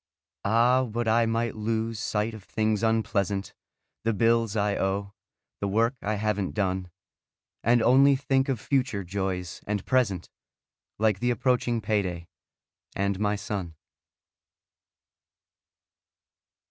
Ah, would I might lose sight of things unpleasant: The bills I owe; the work I haven't done. And only think of future joys and present, Like the approaching payday, and my son.